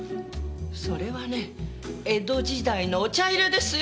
それはね江戸時代のお茶入れですよ！